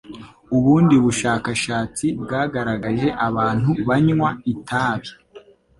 Ubundi bushakashatsi bwagaragaje abantu banywa itabi,